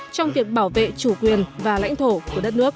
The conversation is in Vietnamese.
trong việc bảo vệ chủ quyền và lãnh thổ của đất nước